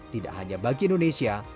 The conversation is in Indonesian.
tidak hanya bagi indonesia